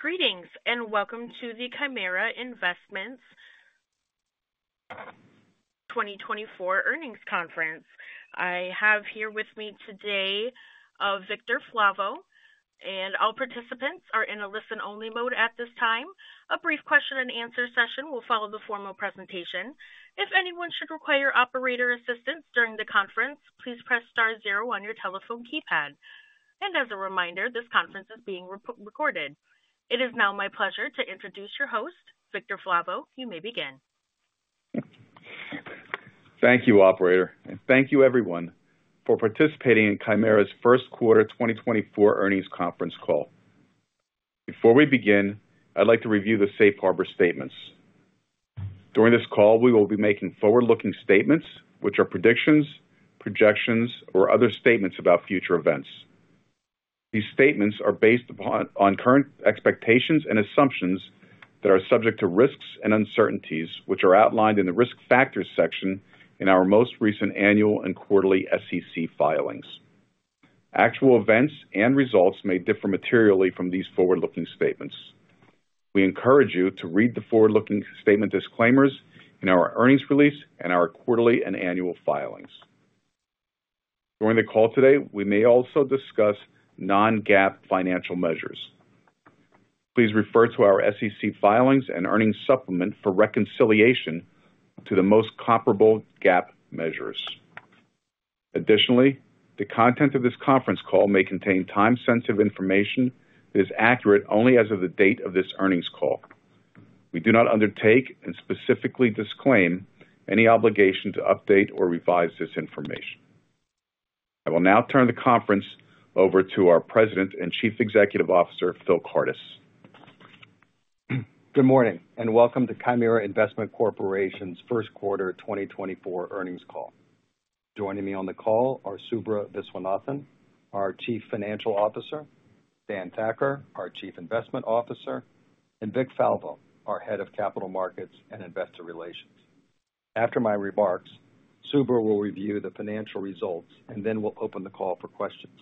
Greetings, and welcome to the Chimera Investment 2024 Earnings Conference. I have here with me today, Victor Falvo, and all participants are in a listen-only mode at this time. A brief question and answer session will follow the formal presentation. If anyone should require operator assistance during the conference, please press star zero on your telephone keypad. As a reminder, this conference is being recorded. It is now my pleasure to introduce your host, Victor Falvo. You may begin. Thank you, operator, and thank you everyone for participating in Chimera's first quarter 2024 earnings conference call. Before we begin, I'd like to review the Safe Harbor statements. During this call, we will be making forward-looking statements, which are predictions, projections, or other statements about future events. These statements are based upon current expectations and assumptions that are subject to risks and uncertainties, which are outlined in the risk factors section in our most recent annual and quarterly SEC filings. Actual events and results may differ materially from these forward-looking statements. We encourage you to read the forward-looking statement disclaimers in our earnings release and our quarterly and annual filings. During the call today, we may also discuss non-GAAP financial measures. Please refer to our SEC filings and earnings supplement for reconciliation to the most comparable GAAP measures. Additionally, the content of this conference call may contain time-sensitive information that is accurate only as of the date of this earnings call. We do not undertake and specifically disclaim any obligation to update or revise this information. I will now turn the conference over to our President and Chief Executive Officer, Phil Kardis. Good morning, and welcome to Chimera Investment Corporation's first quarter 2024 earnings call. Joining me on the call are Subra Viswanathan, our Chief Financial Officer, Dan Thakkar, our Chief Investment Officer, and Vic Falvo, our Head of Capital Markets and Investor Relations. After my remarks, Subra will review the financial results, and then we'll open the call for questions.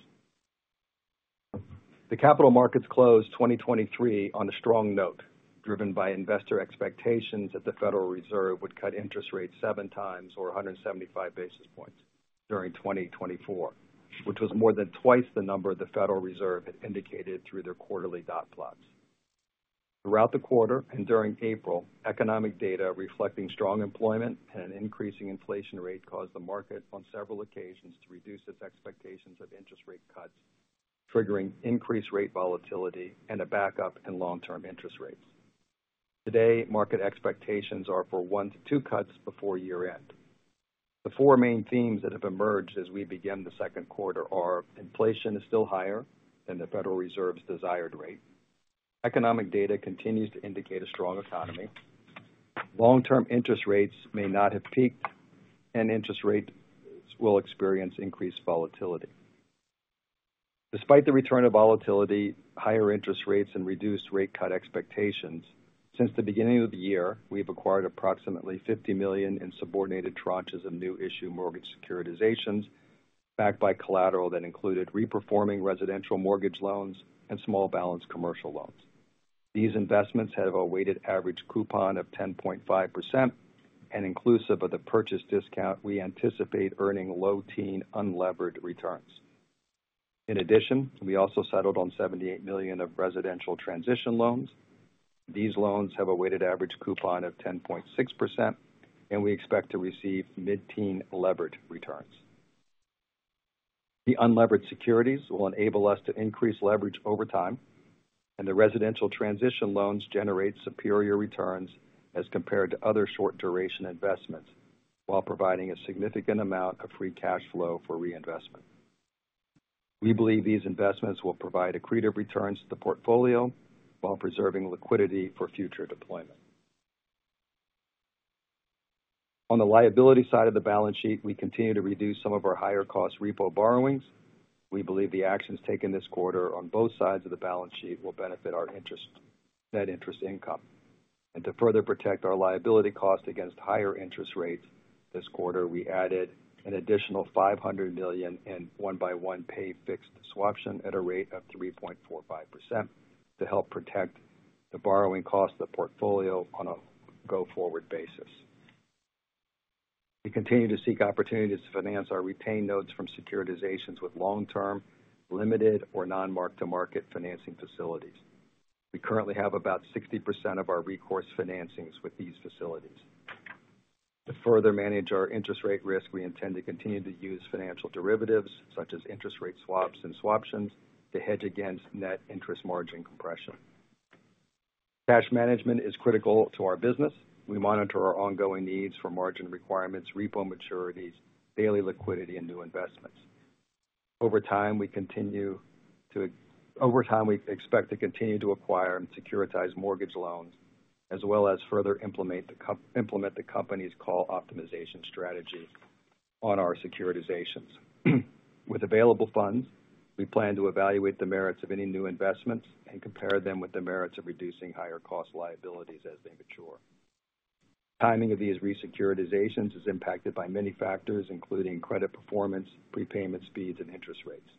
The capital markets closed 2023 on a strong note, driven by investor expectations that the Federal Reserve would cut interest rates seven times or 175 basis points during 2024, which was more than twice the number the Federal Reserve had indicated through their quarterly dot plots. Throughout the quarter and during April, economic data reflecting strong employment and an increasing inflation rate caused the market, on several occasions, to reduce its expectations of interest rate cuts, triggering increased rate volatility and a backup in long-term interest rates. Today, market expectations are for 1-2 cuts before year-end. The 4 main themes that have emerged as we begin the second quarter are: inflation is still higher than the Federal Reserve's desired rate. Economic data continues to indicate a strong economy. Long-term interest rates may not have peaked, and interest rates will experience increased volatility. Despite the return of volatility, higher interest rates and reduced rate cut expectations, since the beginning of the year, we've acquired approximately $50 million in subordinated tranches of new issue mortgage securitizations, backed by collateral that included reperforming residential mortgage loans and small balance commercial loans. These investments have a weighted average coupon of 10.5%, and inclusive of the purchase discount, we anticipate earning low-teen unlevered returns. In addition, we also settled on $78 million of residential transition loans. These loans have a weighted average coupon of 10.6%, and we expect to receive mid-teen levered returns. The unlevered securities will enable us to increase leverage over time, and the residential transition loans generate superior returns as compared to other short-duration investments, while providing a significant amount of free cash flow for reinvestment. We believe these investments will provide accretive returns to the portfolio while preserving liquidity for future deployment. On the liability side of the balance sheet, we continue to reduce some of our higher cost repo borrowings. We believe the actions taken this quarter on both sides of the balance sheet will benefit our interest, net interest income. To further protect our liability costs against higher interest rates this quarter, we added an additional $500 million in one by one pay fixed swaption at a rate of 3.45% to help protect the borrowing cost of the portfolio on a go-forward basis. We continue to seek opportunities to finance our retained notes from securitizations with long-term, limited or non-mark-to-market financing facilities. We currently have about 60% of our recourse financings with these facilities. To further manage our interest rate risk, we intend to continue to use financial derivatives, such as interest rate swaps and swaptions, to hedge against net interest margin compression. Cash management is critical to our business. We monitor our ongoing needs for margin requirements, repo maturities, daily liquidity and new investments. Over time, we expect to continue to acquire and securitize mortgage loans, as well as further implement the company's call optimization strategy on our securitizations. With available funds, we plan to evaluate the merits of any new investments and compare them with the merits of reducing higher cost liabilities as they mature. Timing of these re-securitizations is impacted by many factors, including credit performance, prepayment speeds, and interest rates.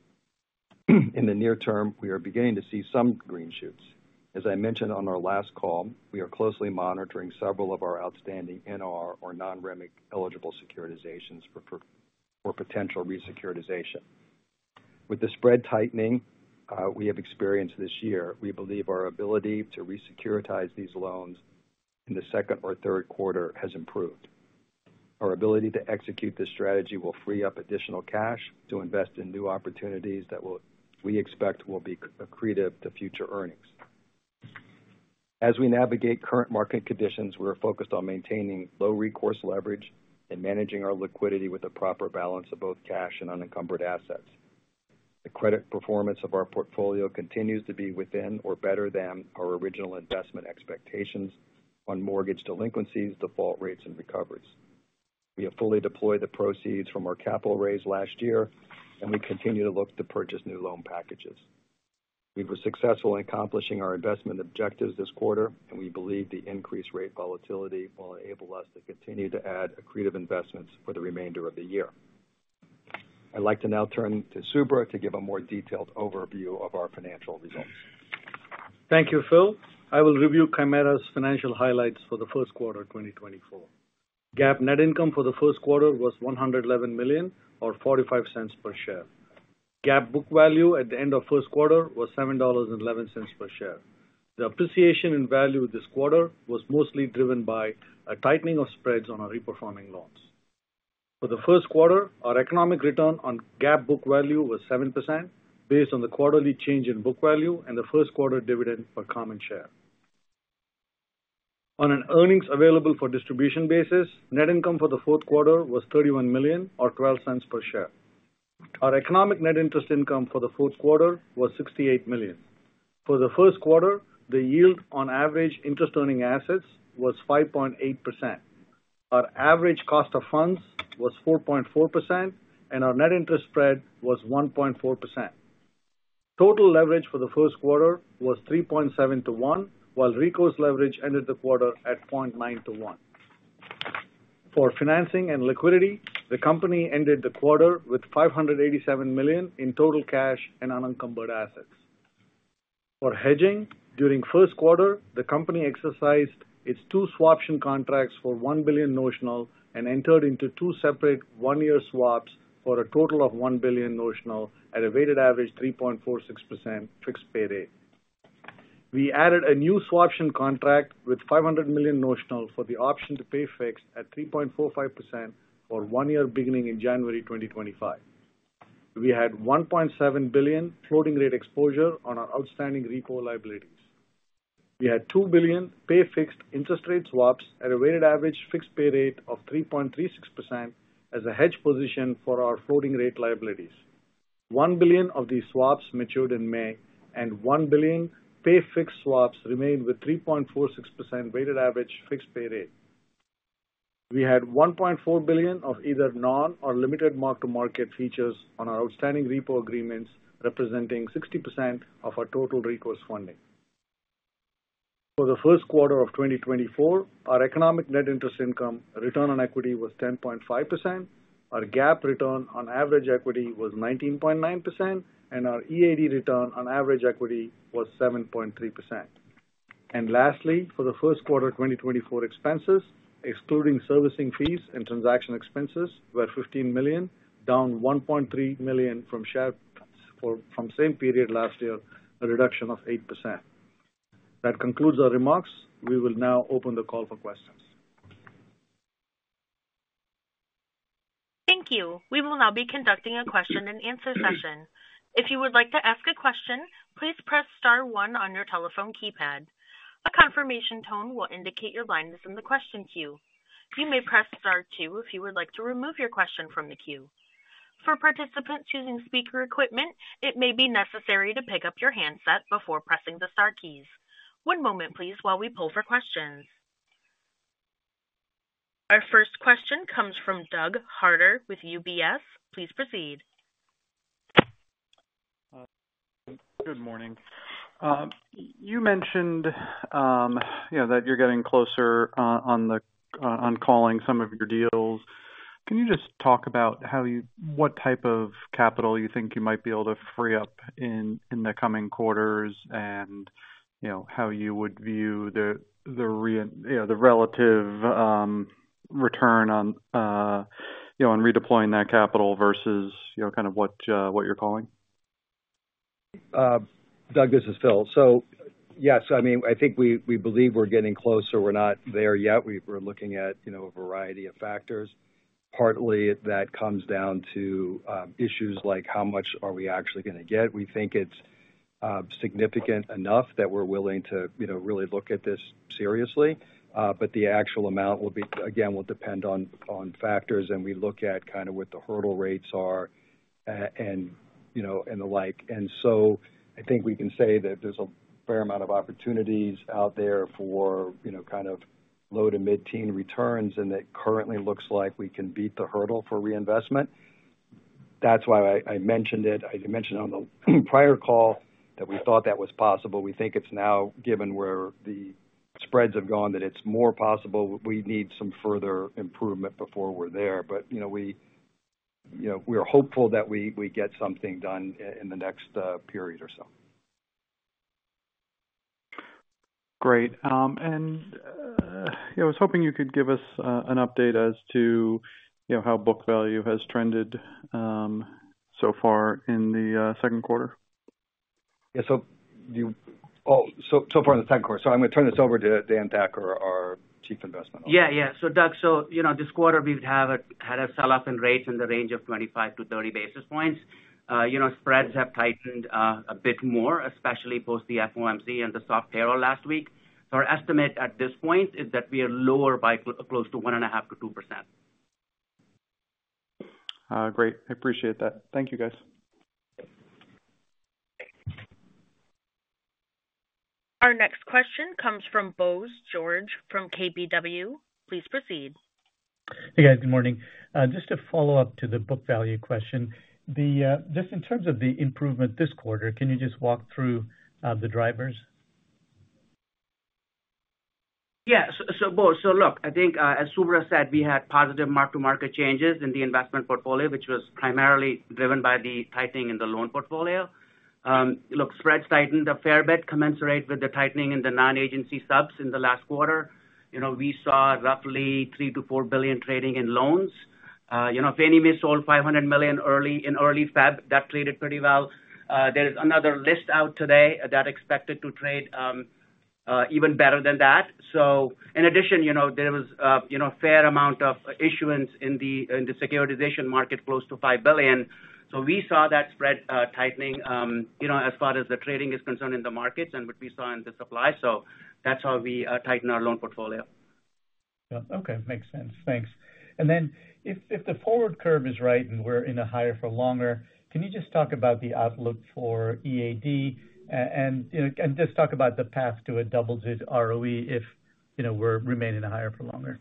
In the near term, we are beginning to see some green shoots. As I mentioned on our last call, we are closely monitoring several of our outstanding NR or non-REMIC eligible securitizations for potential re-securitization. With the spread tightening we have experienced this year, we believe our ability to re-securitize these loans in the second or third quarter has improved. Our ability to execute this strategy will free up additional cash to invest in new opportunities that will, we expect, will be accretive to future earnings. As we navigate current market conditions, we are focused on maintaining low recourse leverage and managing our liquidity with a proper balance of both cash and unencumbered assets. The credit performance of our portfolio continues to be within or better than our original investment expectations on mortgage delinquencies, default rates, and recoveries. We have fully deployed the proceeds from our capital raise last year, and we continue to look to purchase new loan packages. We were successful in accomplishing our investment objectives this quarter, and we believe the increased rate volatility will enable us to continue to add accretive investments for the remainder of the year. I'd like to now turn to Subra to give a more detailed overview of our financial results. Thank you, Phil. I will review Chimera's financial highlights for the first quarter of 2024. GAAP net income for the first quarter was $111 million, or $0.45 per share. GAAP book value at the end of first quarter was $7.11 per share. The appreciation in value this quarter was mostly driven by a tightening of spreads on our reperforming loans. For the first quarter, our economic return on GAAP book value was 7% based on the quarterly change in book value and the first quarter dividend per common share. On an earnings available for distribution basis, net income for the fourth quarter was $31 million or $0.12 per share. Our economic net interest income for the fourth quarter was $68 million. For the first quarter, the yield on average interest earning assets was 5.8%. Our average cost of funds was 4.4%, and our net interest spread was 1.4%. Total leverage for the first quarter was 3.7 to 1, while recourse leverage ended the quarter at 0.9 to 1. For financing and liquidity, the company ended the quarter with $587 million in total cash and unencumbered assets. For hedging, during first quarter, the company exercised its two swaption contracts for $1 billion notional and entered into two separate one-year swaps for a total of $1 billion notional at a weighted average 3.46% fixed pay rate. We added a new swaption contract with $500 million notional for the option to pay fixed at 3.45% for one year beginning in January 2025. We had $1.7 billion floating rate exposure on our outstanding repo liabilities. We had $2 billion pay fixed interest rate swaps at a weighted average fixed pay rate of 3.36% as a hedge position for our floating rate liabilities. $1 billion of these swaps matured in May, and $1 billion pay fixed swaps remained with 3.46% weighted average fixed pay rate. We had $1.4 billion of either non- or limited mark-to-market features on our outstanding repo agreements, representing 60% of our total recourse funding. For the first quarter of 2024, our economic net interest income return on equity was 10.5%, our GAAP return on average equity was 19.9%, and our EAD return on average equity was 7.3%. And lastly, for the first quarter of 2024, expenses excluding servicing fees and transaction expenses were $15 million, down $1.3 million from same period last year, a reduction of 8%. That concludes our remarks. We will now open the call for questions. Thank you. We will now be conducting a question and answer session. If you would like to ask a question, please press star one on your telephone keypad. A confirmation tone will indicate your line is in the question queue. You may press Star two if you would like to remove your question from the queue. For participants using speaker equipment, it may be necessary to pick up your handset before pressing the star keys. One moment, please, while we pull for questions. Our first question comes from Doug Harter with UBS. Please proceed. Good morning. You know, you mentioned that you're getting closer on calling some of your deals. Can you just talk about how you—what type of capital you think you might be able to free up in the coming quarters? And, you know, how you would view the relative return on redeploying that capital versus what you're calling? Doug, this is Phil. So yes, I mean, I think we believe we're getting closer. We're not there yet. We're looking at, you know, a variety of factors. Partly, that comes down to, issues like how much are we actually going to get? We think it's, significant enough that we're willing to, you know, really look at this seriously. But the actual amount will be, again, will depend on, factors, and we look at kind of what the hurdle rates are, and, you know, and the like. And so I think we can say that there's a fair amount of opportunities out there for, you know, kind of low to mid-teen returns, and it currently looks like we can beat the hurdle for reinvestment.... That's why I mentioned it. I mentioned on the prior call that we thought that was possible. We think it's now, given where the spreads have gone, that it's more possible. We need some further improvement before we're there. But, you know, we are hopeful that we get something done in the next period or so. Great. I was hoping you could give us an update as to, you know, how book value has trended so far in the second quarter. So far in the second quarter. So I'm going to turn this over to Dan Thakkar, our Chief Investment Officer. Yeah, yeah. So, Doug, you know, this quarter, we've had a sell-off in rates in the range of 25-30 basis points. You know, spreads have tightened a bit more, especially post the FOMC and the dot plot last week. So, our estimate at this point is that we are lower by close to 1.5%-2%. Great. I appreciate that. Thank you, guys. Our next question comes from Bose George from KBW. Please proceed. Hey, guys. Good morning. Just to follow up to the book value question, just in terms of the improvement this quarter, can you just walk through the drivers? Yeah. So, Bose, so look, I think, as Subra said, we had positive mark-to-market changes in the investment portfolio, which was primarily driven by the tightening in the loan portfolio. Look, spreads tightened a fair bit, commensurate with the tightening in the non-agency subs in the last quarter. You know, we saw roughly $3-4 billion trading in loans. You know, Fannie Mae sold $500 million early, in early February. That traded pretty well. There's another list out today that expected to trade even better than that. So in addition, you know, there was a fair amount of issuance in the securitization market, close to $5 billion. So we saw that spread tightening as far as the trading is concerned in the markets and what we saw in the supply. That's how we tighten our loan portfolio. Yeah. Okay, makes sense. Thanks. And then, if the forward curve is right and we're in a higher for longer, can you just talk about the outlook for EAD? And, you know, and just talk about the path to a double-digit ROE if, you know, we're remaining higher for longer.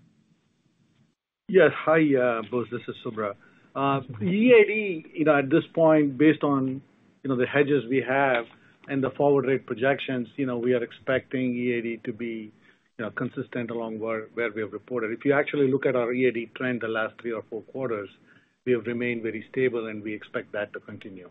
Yes. Hi, Bose, this is Subra. EAD, you know, at this point, based on, you know, the hedges we have and the forward rate projections, you know, we are expecting EAD to be, you know, consistent along where we have reported. If you actually look at our EAD trend the last three or four quarters, we have remained very stable, and we expect that to continue.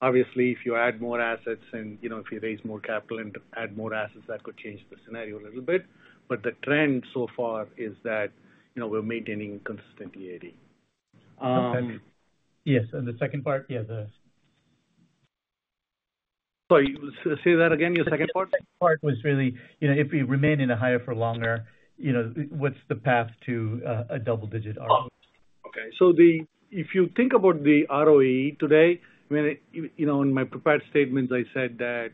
Obviously, if you add more assets and, you know, if you raise more capital and add more assets, that could change the scenario a little bit. But the trend so far is that, you know, we're maintaining consistent EAD. Yes, and the second part? Yeah, the- Sorry, say that again, your second part? The second part was really, you know, if we remain in a higher for longer, you know, what's the path to a double-digit ROE? Okay. So if you think about the ROE today, I mean, you know, in my prepared statements, I said that,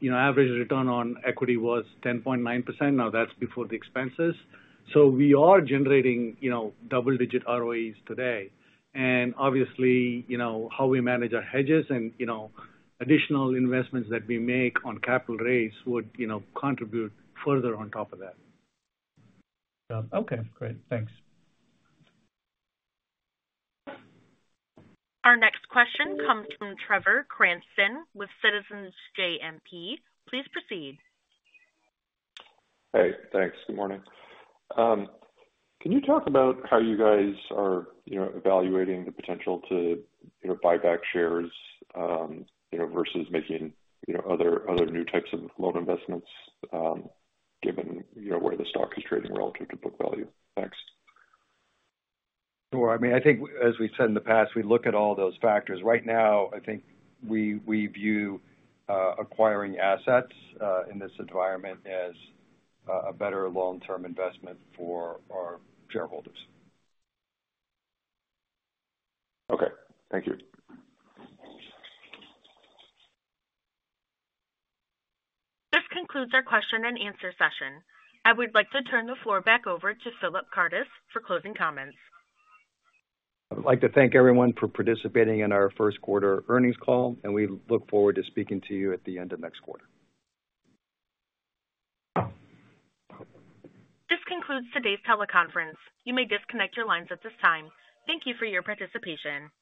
you know, average return on equity was 10.9%. Now, that's before the expenses. So we are generating, you know, double-digit ROEs today. And obviously, you know, how we manage our hedges and, you know, additional investments that we make on capital raise would, you know, contribute further on top of that. Okay, great. Thanks. Our next question comes from Trevor Cranston with Citizens JMP. Please proceed. Hey, thanks. Good morning. Can you talk about how you guys are, you know, evaluating the potential to, you know, buy back shares, you know, versus making, you know, other, other new types of loan investments, given you know, where the stock is trading relative to book value? Thanks. Sure. I mean, I think as we've said in the past, we look at all those factors. Right now, I think we view acquiring assets in this environment as a better long-term investment for our shareholders. Okay, thank you. This concludes our question and answer session. I would like to turn the floor back over to Phillip Kardis for closing comments. I'd like to thank everyone for participating in our first quarter earnings call, and we look forward to speaking to you at the end of next quarter. This concludes today's teleconference. You may disconnect your lines at this time. Thank you for your participation.